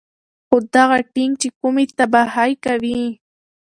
خو دغه ټېنک چې کومې تباهۍ کوي